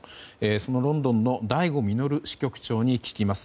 そのロンドンの醍醐穣支局長に聞きます。